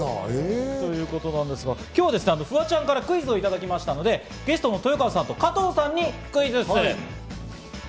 今日はフワちゃんからクイズをいただきましたので、ゲストの豊川さんと加藤さんにクイズッス！